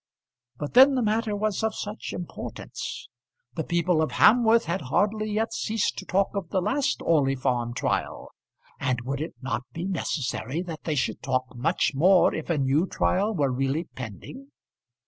But then the matter was of such importance! The people of Hamworth had hardly yet ceased to talk of the last Orley Farm trial; and would it not be necessary that they should talk much more if a new trial were really pending?